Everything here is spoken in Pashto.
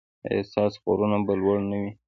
ایا ستاسو غرونه به لوړ نه وي؟